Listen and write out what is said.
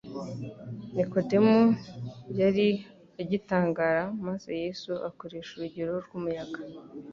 Nikodemo yari agitangara, maze Yesu akoresha urugero rw’umuyaga